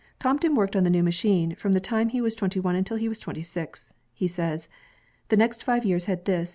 Crompton worked on the new machine from the time he was twenty one until he was twenty six. He says; "The next five years had this